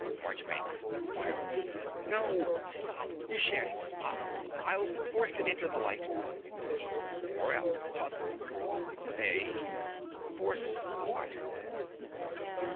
MARCHBANKS (wildly). No: stop: you shan't. I'll force it into the light. MORELL (puzzled). Eh? Force what?